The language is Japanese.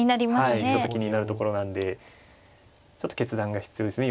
はいちょっと気になるところなんでちょっと決断が必要ですね